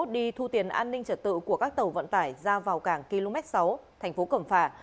đi thu tiền an ninh trật tự của các tàu vận tải ra vào cảng km sáu thành phố cẩm phả